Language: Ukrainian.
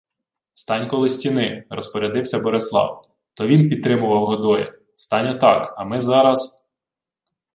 — Стань коло стіни, — розпорядився Борислав — то він підтримував Годоя. — Стань отак, а ми зараз...